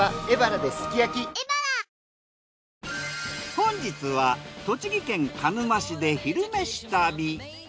本日は栃木県鹿沼市で「昼めし旅」。